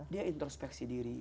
dia introspeksi diri